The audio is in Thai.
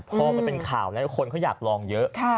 พอมันเป็นข่าวแล้วคนเขาอยากลองเยอะ